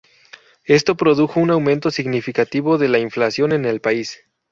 Esto produjo un aumento significativo de la inflación en el país.